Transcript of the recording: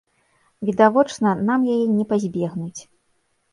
Відавочна, нам яе не пазбегнуць.